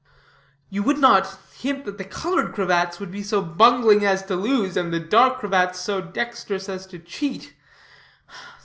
"You would not hint that the colored cravats would be so bungling as to lose, and the dark cravats so dextrous as to cheat?